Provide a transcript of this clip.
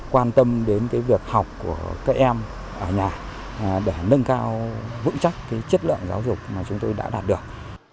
quan tâm đến việc học của các em ở nhà để nâng cao vững chắc chất lượng giáo dục mà chúng tôi đã đạt được